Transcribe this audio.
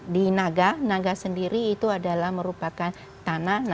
di naga naga sendiri itu adalah merupakan tanah